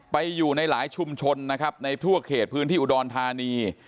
อยู่ในหลายชุมชนนะครับในทั่วเขตพื้นที่อุดรธานี